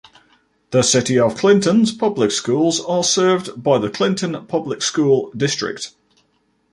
The City of Clinton's public schools are served by the Clinton Public School District.